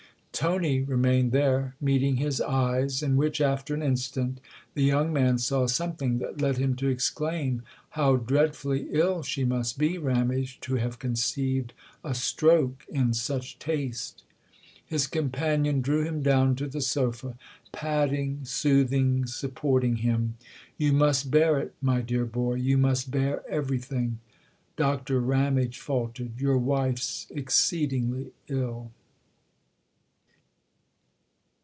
Tony remained there meeting his eyes, in which, after an instant, the young man saw some thing that led him to exclaim :" How dreadfully ill she must be, Ramage, to have conceived a stroke in such taste !" His companion drew him down to the sofa, TOO THE OTHER HOUSE patting, soothing, supporting him. "You must bear it my dear boy you must bear everything." Doctor Ramage faltered. "Your wife's exceed ingly ill."